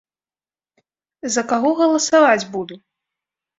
За каго галасаваць буду?